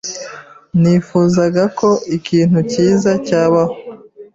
Nifuzaga ko ikintu cyiza cyabaho.